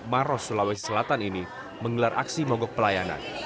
maros sulawesi selatan ini menggelar aksi mogok pelayanan